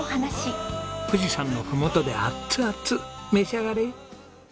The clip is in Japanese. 富士山のふもとでアッツアツ召し上がれ！